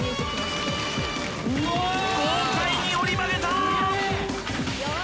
豪快に折り曲げた！